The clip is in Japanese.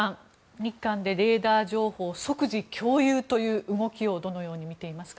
日韓でレーダー情報を即時共有という動きをどう見ていますか？